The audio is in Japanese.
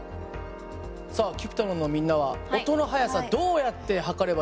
さあＣｕｐｉｔｒｏｎのみんなは音の速さどうやって測ればいいと思います？